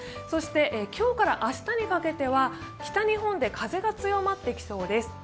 そして今日から明日にかけては北日本で風が強まってきそうです。